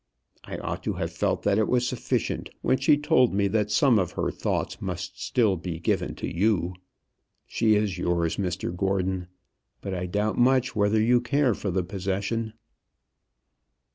I ought to have felt that it was sufficient when she told me that some of her thoughts must still be given to you. She is yours, Mr Gordon; but I doubt much whether you care for the possession."